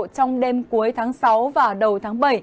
trong đêm cuối tháng sáu và đầu tháng bảy